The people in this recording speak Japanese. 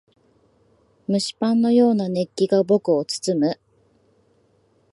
蒸しパンのような熱気が僕を包む。